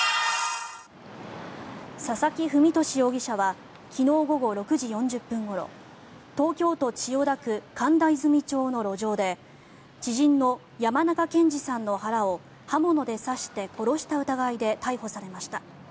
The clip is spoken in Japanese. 佐々木文俊容疑者は昨日午後６時４０分ごろ東京都千代田区神田和泉町の路上で知人の山中健司さんの腹を刃物で刺して殺した疑いで逮捕されました。